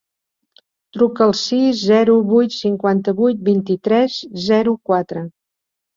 Truca al sis, zero, vuit, cinquanta-vuit, vint-i-tres, zero, quatre.